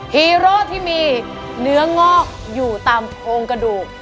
ฮีโร่ที่มีเนื้องอกอยู่ตามโครงกระดูก